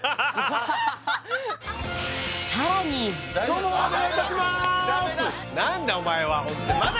どうもお願いいたします